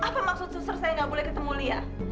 apa maksud susur saya nggak boleh ketemu lia